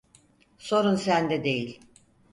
Sorun sende değil.